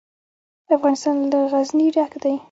افغانستان له غزني ډک دی.